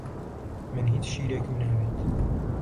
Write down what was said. من هیچ شیرێکم ناوێت.